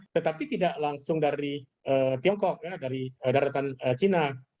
tetapi tidak langsung dari tiongkok ya dari daratan cina